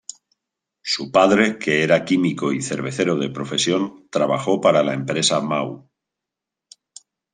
Su padre, que era químico y cervecero de profesión, trabajó para la empresa Mahou.